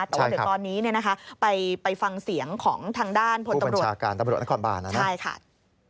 แต่ว่าเดี๋ยวตอนนี้เนี่ยนะคะไปฟังเสียงของทางด้านผู้ประชาการ